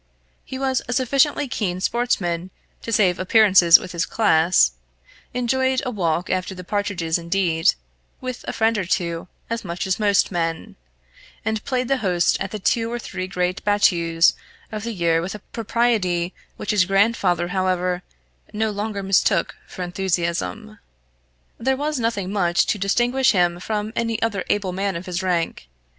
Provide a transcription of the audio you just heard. He was a sufficiently keen sportsman to save appearances with his class; enjoyed a walk after the partridges indeed, with a friend or two, as much as most men; and played the host at the two or three great battues of the year with a propriety which his grandfather however no longer mistook for enthusiasm. There was nothing much to distinguish him from any other able man of his rank.